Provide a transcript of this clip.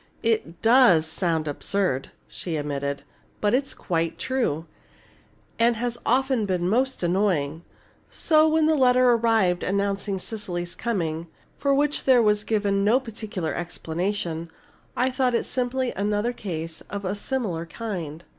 "It does sound absurd," she admitted; "but it is quite true, and has often been most annoying. So, when the letter arrived announcing Cecily's coming, for which there was given no particular explanation, I thought it simply another case of a similar kind.